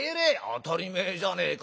「当たり前じゃねえか。